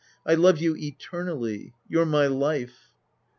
I love you eternally. You're my life.